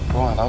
gue gak tau